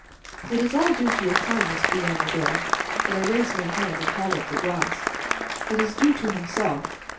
"It is all due to your kindness " began the girl, but I raised my hand and held up the glass. "It's due to himself.